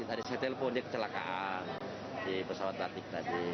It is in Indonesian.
adik saya telepon dia kecelakaan di pesawat atik tadi